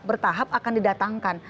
bertahap akan didatangkan